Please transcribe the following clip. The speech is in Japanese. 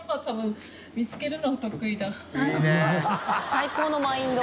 最高のマインド。